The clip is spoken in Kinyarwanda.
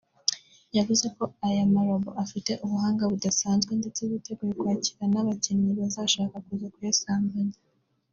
yavuze ko aya marobo afite ubuhanga budasanzwe ndetse biteguye kwakira n’abakinnyi bazashaka kuza kuyasambanya